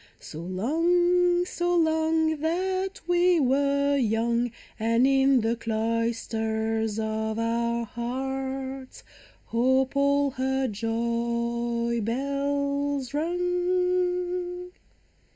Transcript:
So long, so long that we were young, And in the cloisters of our hearts Hope all her joy bells rung